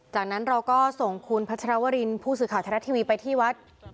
จากนั้นเราก็ส่งคุณพัชรวรินผู้สื่อข่าวไทยรัฐทีวีไปที่วัด